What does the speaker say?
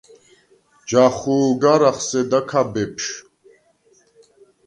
ჯახუ̄ლ გარ ახსედა ქა, ბეფშვ.